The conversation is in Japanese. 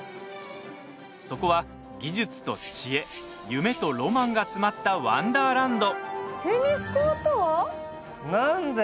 そこは、技術と知恵夢とロマンが詰まったワンダーランド！